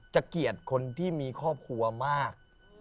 เกลียดคนที่มีครอบครัวมาก